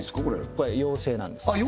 これ妖精なんですあっ